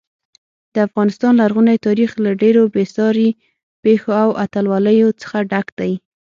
د افغانستان لرغونی تاریخ له ډېرو بې ساري پیښو او اتلولیو څخه ډک دی.